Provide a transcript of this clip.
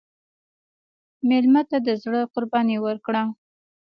مېلمه ته د زړه قرباني ورکړه.